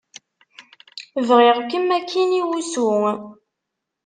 Bɣiɣ-kem akkin i wussu.